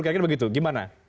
kira kira begitu gimana